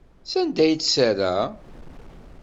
Sanda ay tt-terra?